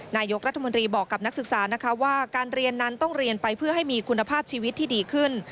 นายกรัฐมนตรีบอกกับนักศึกษานะคะว่าการเรียนนั้นต้องเรียนไปเพื่อให้มีคุณภาพชีวิตที่ดีขึ้น